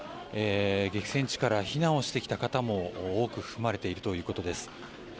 激戦地から避難をしてきた方も多く含まれているということです。